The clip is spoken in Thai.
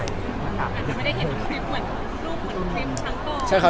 ไม่ได้เห็นคลิปเหมือนรูปเหมือนครีมทั้งตัว